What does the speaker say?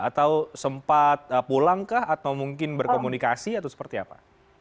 atau sempat pulang kah atau mungkin berkomunikasi atau seperti apa